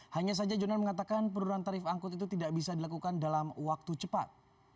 hanya saja jonan mengatakan penurunan tarif angkut itu tidak bisa dilakukan dalam waktu cepat